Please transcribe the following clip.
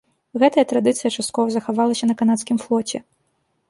Гэтая традыцыя часткова захавалася на канадскім флоце.